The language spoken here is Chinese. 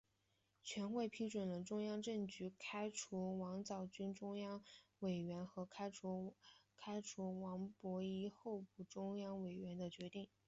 全会批准了中央政治局开除王藻文中央委员和开除王仲一候补中央委员的决定。